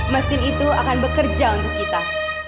mesin itu akan bekerja untuk kita